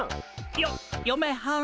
よよめはん？